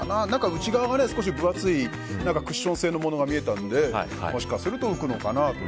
内側が少し分厚いクッション性のものが見えたのでもしかしたら浮くのかなと。